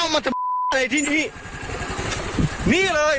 พระเจ้าครับ